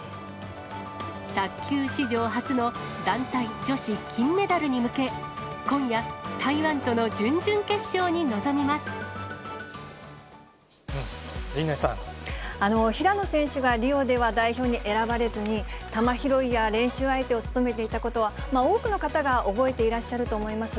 卓球史上初の団体女子金メダルに向け、今夜、陣内さん。平野選手はリオでは代表に選ばれずに、球拾いや練習相手を務めていたことは、多くの方が覚えていらっしゃると思います。